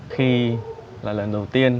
khi là lần đầu tiên